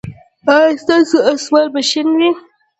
ایا ستاسو اسمان به شین وي؟